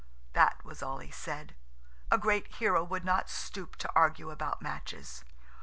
That was all he said. A great hero would not stoop to argue about matches.